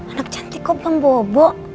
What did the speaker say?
anak cantik kok belum bobok